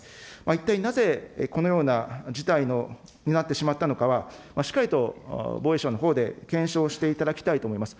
一体なぜこのような事態になってしまったのかは、しっかりと防衛省のほうで検証していただきたいと思います。